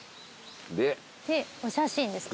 お写真ですか？